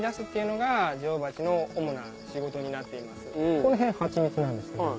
この辺はちみつなんですけど。